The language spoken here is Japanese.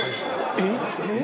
えっ！